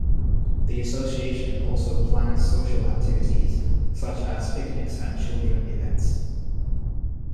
The Association also plans social activities, such as picnics and children events.